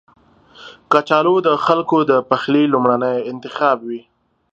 کچالو د خلکو د پخلي لومړنی انتخاب وي